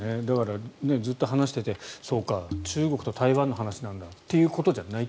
ずっと話していてそうか、中国と台湾の話なのかということじゃない。